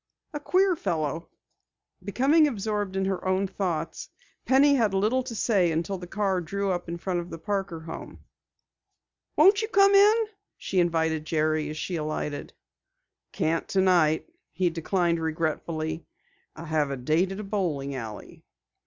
A queer fellow." Becoming absorbed in her own thoughts, Penny had little to say until the car drew up in front of the Parker home. "Won't you come in?" she invited Jerry as she alighted. "Can't tonight," he declined regretfully. "I have a date at a bowling alley."